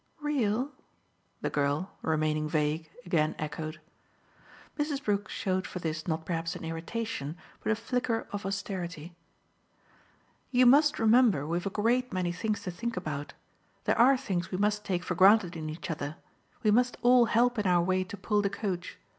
"Real?" the girl, remaining vague, again echoed. Mrs. Brook showed for this not perhaps an irritation, but a flicker of austerity. "You must remember we've a great many things to think about. There are things we must take for granted in each other we must all help in our way to pull the coach.